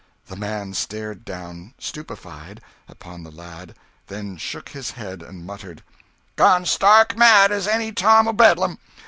The man stared down, stupefied, upon the lad, then shook his head and muttered "Gone stark mad as any Tom o' Bedlam!"